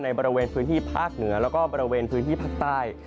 บริเวณพื้นที่ภาคเหนือแล้วก็บริเวณพื้นที่ภาคใต้